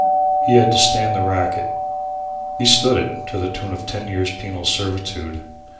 He had to stand the racket. He stood it to the tune of ten years' penal servitude.